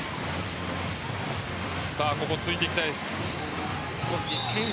ここついていきたいです。